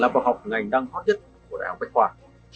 là bảo học ngành đang hot nhất của đại học bách khoa